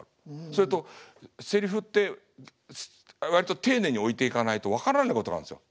それとセリフって割と丁寧に置いていかないと分からないことがあるんですよ。